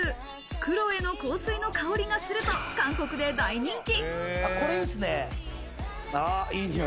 クロエの香水の香りがすると韓国で大人気。